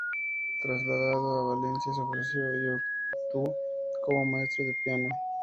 Trasladado a Valencia se ofreció y actuó como maestro de piano.